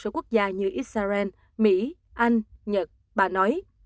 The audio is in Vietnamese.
các quốc gia như israel mỹ anh nhật bà nói